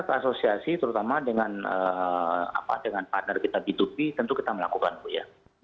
kita asosiasi terutama dengan partner kita b dua b tentu kita melakukan bu ya